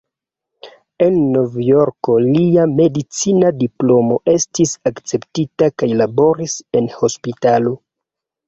En Novjorko lia medicina diplomo estis akceptita kaj laboris en hospitalo.